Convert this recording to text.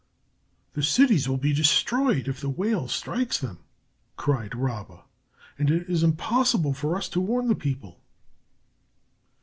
"The cities will be destroyed if the whale strikes them," cried Rabba, "and it is impossible for us to warn the people."